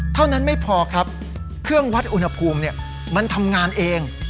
เท่านั้นไม่พอครับเครื่องวัดอุณหภูมิมันทำงานเอง